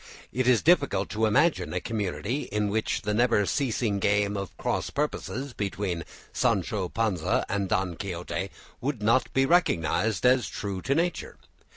It is difficult to imagine a community in which the never ceasing game of cross purposes between Sancho Panza and Don Quixote would not be recognized as true to nature.